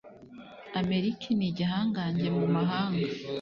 amaleki ni igihangange mu mahanga.